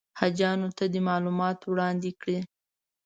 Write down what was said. حاجیانو ته دې معلومات وړاندې کړي.